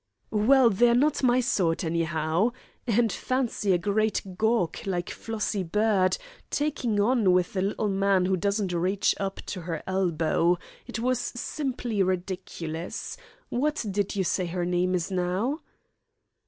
"Well, they're not my sort, anyhow. And fancy a great gawk like Flossie Bird taking on with a little man who doesn't reach up to her elbow. It was simply ridiculous. What did you say her name is now?"